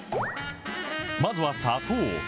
まずは砂糖。